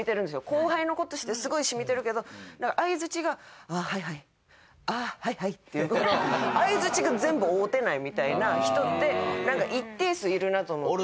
後輩の子としてすごい染みてるけど相づちが「あーはいはいあーはいはい」っていう相づちが全部合うてないみたいな人って一定数いるなと思って。